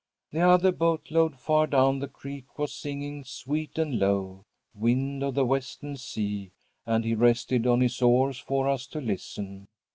_' "The other boat load, far down the creek, was singing 'Sweet and low, wind of the western sea,' and he rested on his oars for us to listen.